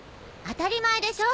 当たり前でしょ！